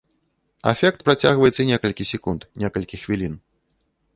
Афект працягваецца некалькі секунд, некалькі хвілін.